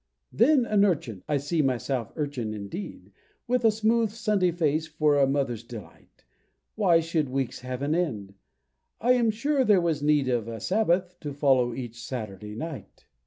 Then an urchin I see myself urchin indeed With a smooth Sunday face for a mother's delight; Why should weeks have an end? I am sure there was need Of a Sabbath, to follow each Saturday night.